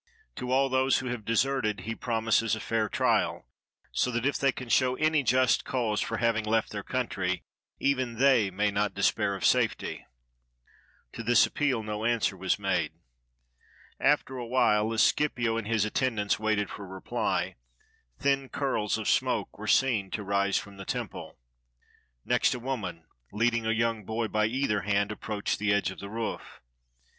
To all those who have deserted he promises a fair trial, so that if they can show any just cause for having left their country, even they may not despair of safety." To this appeal no answer was made. After a while, as Scipio and his attendants waited for a reply, thin curls of smoke were seen to rise from the temple. Next a woman, leading a young boy by either hand, approached the edge of the roof.